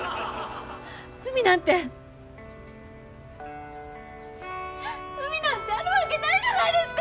海なんて海なんてあるわけないじゃないですか！